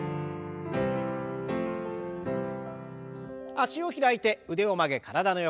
脚を開いて腕を曲げ体の横。